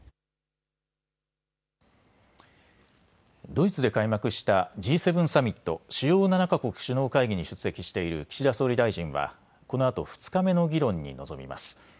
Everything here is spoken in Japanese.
ドイツで開幕したＧ７サミット・主要７か国首脳会議に出席している岸田総理大臣はこのあと２日目の議論に臨みます。